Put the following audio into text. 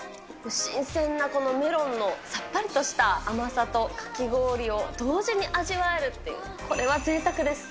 新鮮なこのメロンのさっぱりとした甘さとかき氷を同時に味わえるっていう、これはぜいたくです。